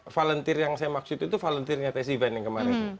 volunteer yang saya maksud itu volunteernya tes event yang kemarin